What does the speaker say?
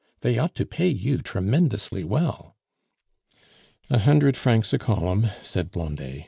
They ought to pay you tremendously well." "A hundred francs a column," said Blondet.